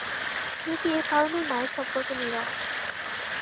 ছেলেটি এ কারণেই মায়ের সম্পর্কে নীরব।